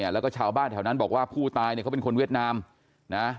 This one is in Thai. แล้วก็ชาวบ้านแถวนั้นบอกว่าผู้ตายเนี่ยเขาเป็นคนเวียดนามนะ